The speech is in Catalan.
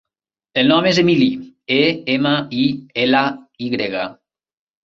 El nom és Emily: e, ema, i, ela, i grega.